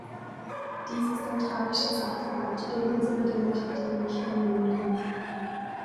Dies ist ein tragischer Sachverhalt, den unsere Demokratien nicht hinnehmen können.